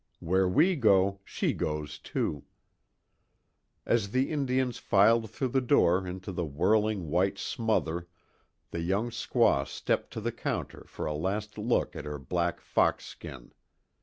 Where we go, she goes, too." As the Indians filed through the door into the whirling white smother the young squaw stepped to the counter for a last look at her black fox skin.